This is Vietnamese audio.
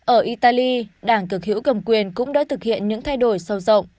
ở italy đảng cực hữu cầm quyền cũng đã thực hiện những thay đổi sâu rộng